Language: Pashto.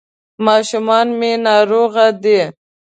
ماشومان مي ناروغه دي ..